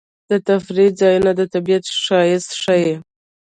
د تفریح ځایونه د طبیعت ښایست ښيي.